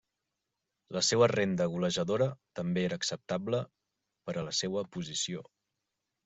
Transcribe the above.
La seua renda golejadora també era acceptable per a la seua posició.